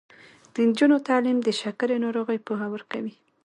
د نجونو تعلیم د شکرې ناروغۍ پوهه ورکوي.